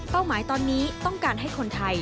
หมายตอนนี้ต้องการให้คนไทย